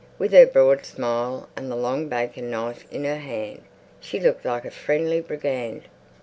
With her broad smile and the long bacon knife in her hand, she looked like a friendly brigand.